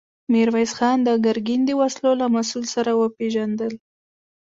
ميرويس خان د ګرګين د وسلو له مسوول سره وپېژندل.